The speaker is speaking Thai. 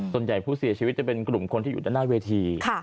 ส่วนใหญ่ผู้เสียชีวิตจะเป็นกลุ่มคนที่อยู่ด้านหน้าเวที